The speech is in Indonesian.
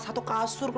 setelah masa terbaik